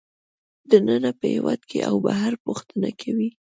دننه په هېواد کې او بهر پوښتنه کوي